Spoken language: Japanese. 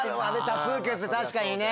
多数決確かにね。